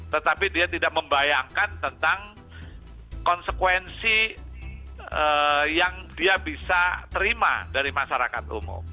tetapi dia tidak membayangkan tentang konsekuensi yang dia bisa terima dari masyarakat umum